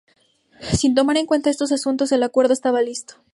Sin tomar en cuenta estos asuntos, el acuerdo estaba listo.